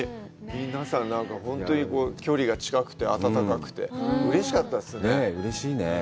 皆さん、本当に距離が近くて、温かくて、うれしかったですね。